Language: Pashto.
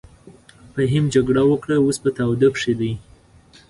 فهيم جګړه وکړه اوس په تاوده کښی دې.